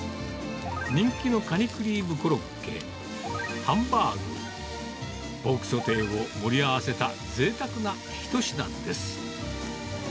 人気のカニクリームコロッケ、ハンバーグ、ポークソテーを盛り合わせたぜいたくな一品です。